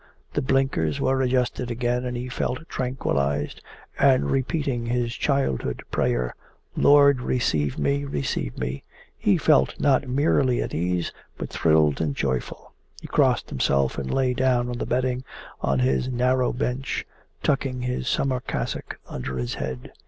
The blinkers were adjusted again and he felt tranquillized, and repeating his childhood's prayer: 'Lord, receive me, receive me!' he felt not merely at ease, but thrilled and joyful. He crossed himself and lay down on the bedding on his narrow bench, tucking his summer cassock under his head.